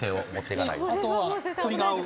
あとは。